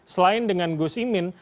selain dengan gus imin